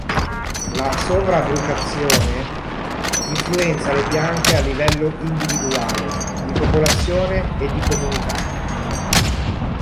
La sovra-brucazione influenza le piante a livello individuale, di popolazione e di comunità.